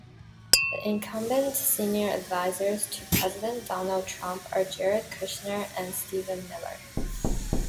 The incumbent senior advisors to President Donald Trump are Jared Kushner and Stephen Miller.